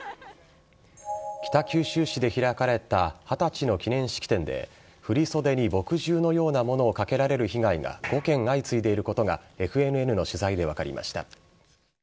北九州市で開かれた二十歳の記念式典で、振り袖に墨汁のようなものをかけられる被害が５件相次いでいることが、ＦＮＮの取材で分かりました。